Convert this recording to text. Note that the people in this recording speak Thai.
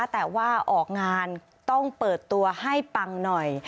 แต่ว่าออกงานต้องเปิดตัวให้ปังหน่อย